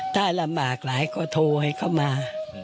ถ้าลำบากหลายก็โทรให้เขามา